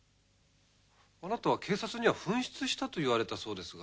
あなたは警察には紛失したと言われたそうですが。